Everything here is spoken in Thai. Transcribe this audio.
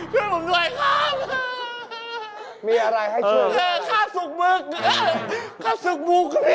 ช่วยผมด้วยครับ